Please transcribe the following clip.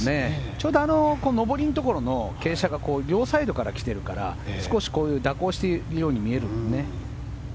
ちょうど上りのところの傾斜が両サイドから来てるから少しこういう蛇行しているように見えるんですよね。